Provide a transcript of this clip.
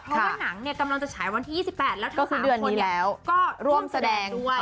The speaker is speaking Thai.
เพราะว่าหนังเนี่ยกำลังจะฉายวันที่๒๘แล้วก็คือเดือนที่แล้วก็ร่วมแสดงด้วย